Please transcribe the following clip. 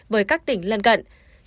với các tỉnh lần gần